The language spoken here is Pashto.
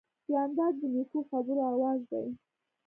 جانداد د نیکو خبرو آواز دی.